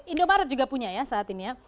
indomaret juga punya ya saat ini ya